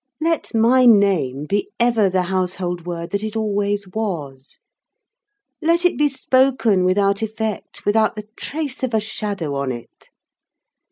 Let my name be ever the household word that it always was. Let it be spoken without an effort, without the ghost of a shadow upon it.